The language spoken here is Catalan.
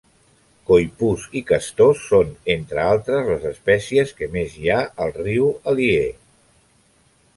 Coipús i castors són, entre altres, les espècies que més hi ha al riu Alier.